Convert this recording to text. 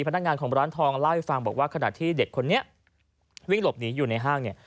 พนักงานของร้านทองเล่าให้ฟังบอกว่าขณะที่เด็กคนนี้วิ่งหลบหนีอยู่ในห้างเนี่ย